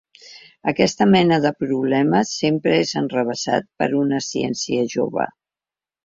Aquesta mena de problema sempre és enrevessat per a una ciència jove.